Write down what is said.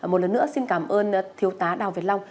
một lần nữa xin cảm ơn thiếu tá đào việt long